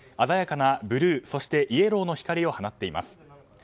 鮮やかなブルーそしてイエローの光を放っています。